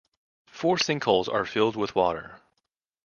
Four sinkholes are filled with water.